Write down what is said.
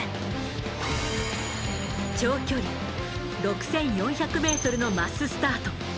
長距離６、４００ｍのマススタート。